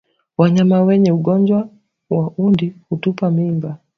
Wanyama wenye ugonjwa wa ndui hutupa mimba